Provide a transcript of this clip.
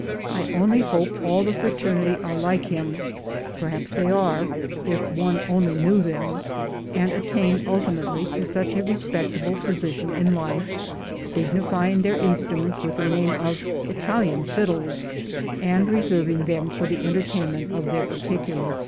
I only hope all the frater nity are like him (perhaps they are, if one only knew them), and attain ultimately to such a respectable position in life, dignifying their instruments with the name of Italian fiddles, and reserving them for the entertainment of their particular friends.